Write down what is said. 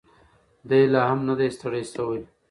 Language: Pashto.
دی لا هم نه دی ستړی شوی.